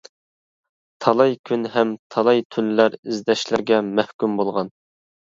تالاي كۈن ھەم تالاي تۈنلەر ئىزدەشلەرگە مەھكۇم بولغان.